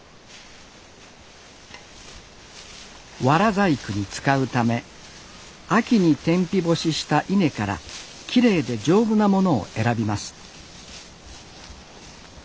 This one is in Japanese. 藁細工に使うため秋に天日干しした稲からきれいで丈夫なものを選びます